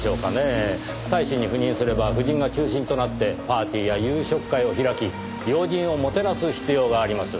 大使に赴任すれば夫人が中心となってパーティーや夕食会を開き要人をもてなす必要があります。